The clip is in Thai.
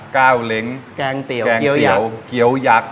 ก้าวเล้งแกงเตี๋ยวเกี๋ยวยัก